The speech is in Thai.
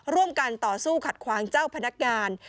ร่วมการต่อสู้ขัดขวางเจ้าพนักงาน